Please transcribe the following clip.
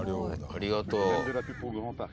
ありがとう。